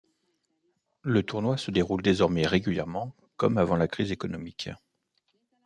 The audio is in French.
Le tournoi se déroule désormais régulièrement, comme avant la crise économique.